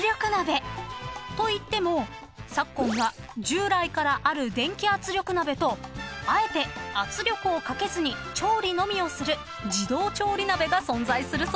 ［といっても昨今は従来からある電気圧力鍋とあえて圧力をかけずに調理のみをする自動調理鍋が存在するそうです］